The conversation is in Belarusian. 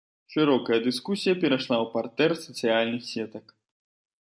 Шырокая дыскусія перайшла ў партэр сацыяльных сетак.